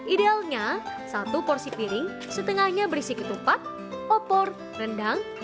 idealnya satu porsi piring setengahnya berisi ketupat opor rendang